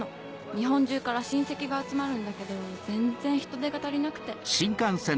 日本中から親戚が集まるんだけど全然人手が足りなくて。